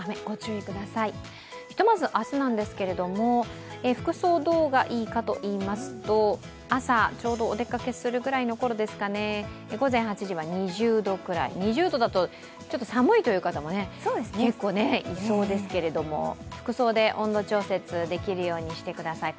ひとまず、明日なんですけれども服装、どうがいいかといいますと朝、ちょうどお出かけするころですかね、午前８時は２０度くらい２０度ぐらいだと寒い方も結構いそうですけれども服装で温度調節できるようにしてください。